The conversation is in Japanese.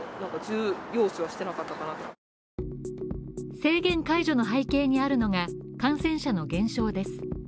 制限解除の背景にあるのが、感染者の減少です。